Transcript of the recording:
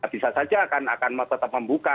bisa saja akan tetap membuka